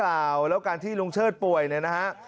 เปล่าแล้วการที่ลุงเชิดป่วยเนี่ยนะฮะ